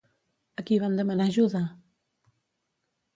A qui van demanar ajuda?